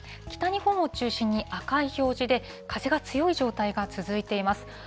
北日本を中心に赤い表示で、風が強い状態が続いています。